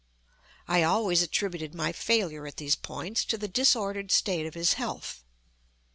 I always attributed my failure at these points to the disordered state of his health.